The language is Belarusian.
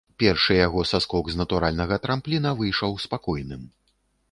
Першы яго саскок з натуральнага трампліна выйшаў спакойным.